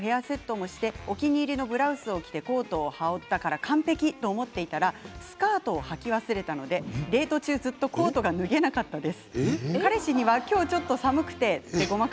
きれいにメークもヘアセットもして、お気に入りのブラウスを着て、コートを羽織ったから完璧と思っていたらスカートをはき忘れたのでデート中ずっとコートが脱げなかったです。